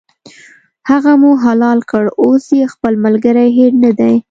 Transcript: هغه مو حلال کړ، اوس یې خپل ملګری هېر نه دی.